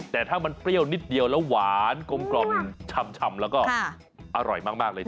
แต่ถ้ามันเปรี้ยวนิดเดียวแล้วหวานกลมชำแล้วก็อร่อยมากเลย